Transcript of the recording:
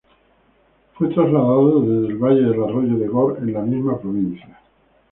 Fue trasladado desde el valle del arroyo de Gor en la misma provincia.